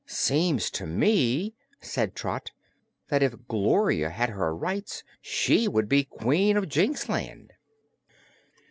"Seems to me," said Trot, "that if Gloria had her rights she would be Queen of Jinxland."